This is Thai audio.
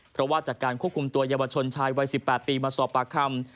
เพราะว่าจากการควบคุมตัวเยาวชนชายวัย๑๘ปีมาสอบปากคำ